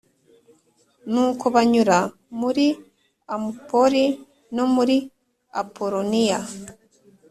Nuko banyura muri am poli no muri apoloniya